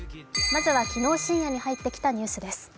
まずは昨日深夜に入ってきたニュースです。